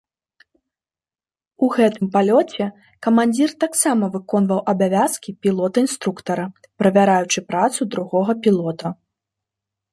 У гэтым палёце камандзір таксама выконваў абавязкі пілота-інструктара, правяраючы працу другога пілота.